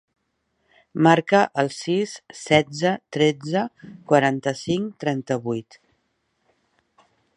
Marca el sis, setze, tretze, quaranta-cinc, trenta-vuit.